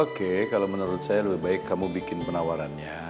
oke kalau menurut saya lebih baik kamu bikin penawarannya